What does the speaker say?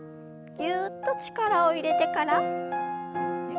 ぎゅっと力を入れてから抜きます。